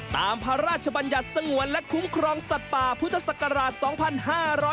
ตามพระราชบัญญัติสงวนและคุ้มครองสัตว์ป่าพุทธศักราช๒๕๕๙